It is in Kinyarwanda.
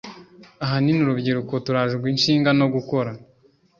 Ahanini urubyiruko turajwe ishinga no gukora